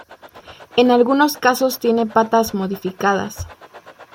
En algunos casos tienen patas modificadas.